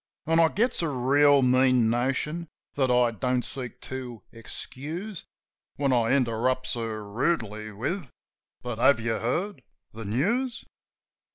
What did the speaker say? An' I gets a reel mean notion (that I don't seek to excuse). When I interrupts her rudely with, "But have you heard the news